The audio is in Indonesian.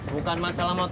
bukan masalah motornya